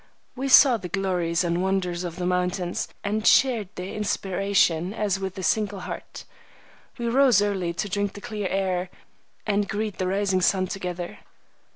We saw the glories and wonders of the mountains, and shared their inspiration as with a single heart. We rose early to drink the clear air and greet the rising sun together.